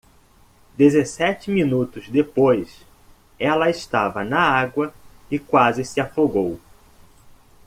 Dezessete minutos depois,? ela estava na água e quase se afogou.